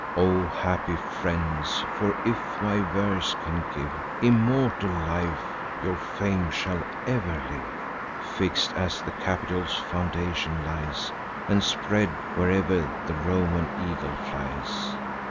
O happy friends! for, if my verse can give Immortal life, your fame shall ever live, Fix'd as the Capitol's foundation lies, And spread, where'er the Roman eagle flies!